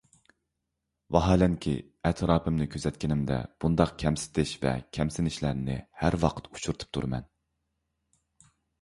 ۋاھالەنكى، ئەتراپىمنى كۆزەتكىنىمدە بۇنداق كەمسىتىش ۋە كەمسىنىشلەرنى ھەر ۋاقىت ئۇچرىتىپ تۇرىمەن.